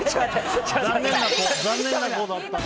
残念な子だった。